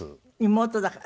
妹だから？